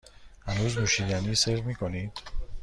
هنوز نوشیدنی سرو می کنید؟